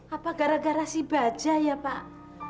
apa gara gara si baja ya pak